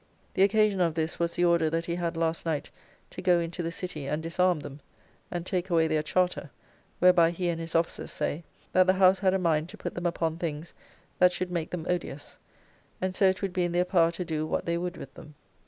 The occasion of this was the order that he had last night to go into the City and disarm them, and take away their charter; whereby he and his officers say that the House had a mind to put them upon things that should make them odious; and so it would be in their power to do what they would with them.